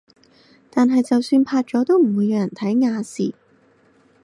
但係就算拍咗都唔會有人睇亞視